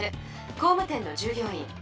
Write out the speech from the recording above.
工務店の従業員。